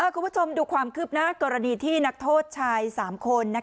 คุณผู้ชมดูความคืบหน้ากรณีที่นักโทษชาย๓คน